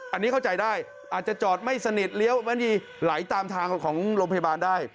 อันนี้เข้าใจได้อาจจะจอดไม่สนิทเลี้ยวไม่ดีไหลตามทางของโรงพยาบาลได้